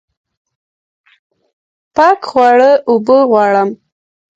پاک خواړه اوبه غواړم